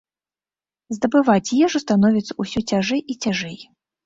Здабываць ежу становіцца ўсё цяжэй і цяжэй.